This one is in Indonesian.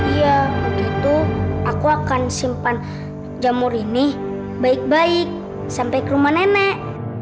iya begitu aku akan simpan jamur ini baik baik sampai ke rumah nenek